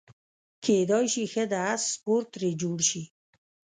کیدای شي ښه د اس سپور ترې جوړ شي.